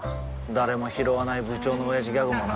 誰もひろわない部長のオヤジギャグもな